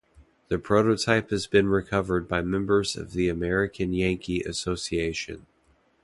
The prototype has been recovered by members of the American Yankee Association.